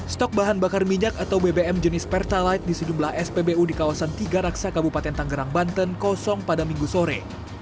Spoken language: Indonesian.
stok bahan bakar minyak atau bbm jenis pertalite di sejumlah spbu di kawasan tiga raksa kabupaten tanggerang banten kosong pada minggu sore